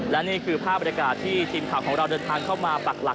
และนี่คือภาพบรรยากาศที่ทีมข่าวของเราเดินทางเข้ามาปักหลัก